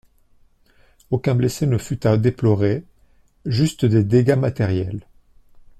Aucun blessé ne fut à déplorer, juste des dégâts matériels.